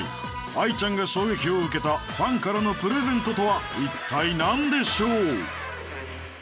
愛ちゃんが衝撃を受けたファンからのプレゼントとは一体なんでしょう？